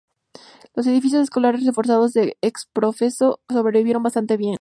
Los edificios escolares, reforzados de exprofeso, sobrevivieron bastante bien.